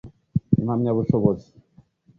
Impamyabushobozi